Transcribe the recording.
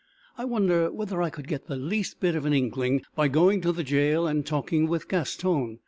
"I wonder whether I could get the least bit of an inkling by going to the jail and talking with Gaston?